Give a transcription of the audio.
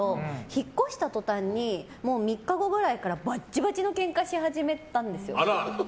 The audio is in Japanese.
引っ越した途端に３日後くらいからバチバチのけんかし始めたんですよ。